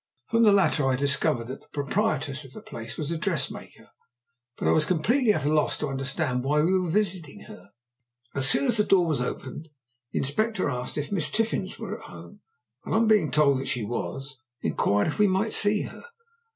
From the latter I discovered that the proprietress of the place was a dressmaker, but I was completely at a loss to understand why we were visiting her. As soon as the door was opened the Inspector asked if Miss Tiffins were at home, and, on being told that she was, inquired if we might see her.